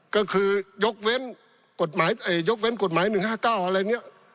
ก็คือยกเว้นกฎหมายเอ่อยกเว้นกฎหมายหนึ่งห้าเก้าอะไรเนี้ย